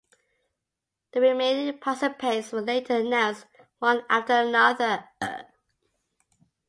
The remaining participants were later announced one after another.